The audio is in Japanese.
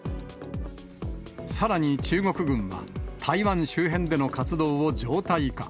さらに中国軍は、台湾周辺での活動を常態化。